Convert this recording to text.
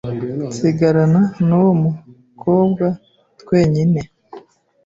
nsigarana nuwo mukobwa twenyine